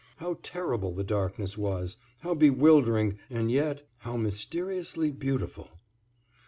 How terrible the darkness was, how bewildering and yet how mysteriously beautiful!